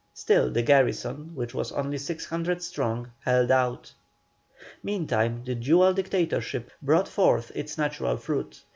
Still the garrison, which was only 600 strong, held out. Meantime the dual dictatorship brought forth its natural fruit.